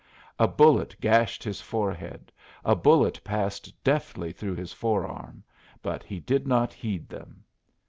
A bullet gashed his forehead, a bullet passed deftly through his forearm, but he did not heed them.